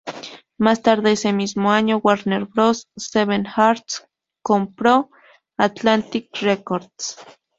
Más tarde ese mismo año, Warner Bros.-Seven Arts compró Atlantic Records.